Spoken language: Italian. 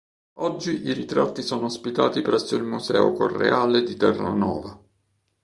Oggi i ritratti sono ospitati presso il Museo Correale di Terranova.